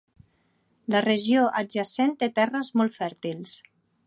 La regió adjacent té terres molt fèrtils.